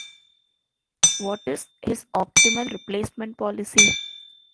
What is his optimal replacement policy?